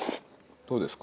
どうですか？